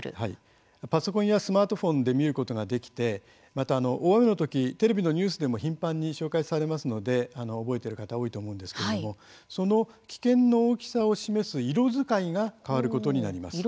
パソコンやスマートフォンで見ることができて大雨のときテレビのニュースでも頻繁に紹介されますので覚えている方多いと思うんですけれどもその危険の大きさを示す色使いが変わることになります。